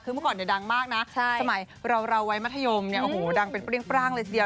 คือเมื่อก่อนเนี่ยดังมากนะสมัยเราวัยมัธยมเนี่ยโอ้โหดังเป็นเปรี้ยงปร่างเลยทีเดียว